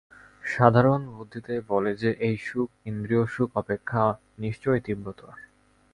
সাধারণ বুদ্ধিতেই বলে যে, এই সুখ ইন্দ্রিয়সুখ অপেক্ষা নিশ্চয় তীব্রতর।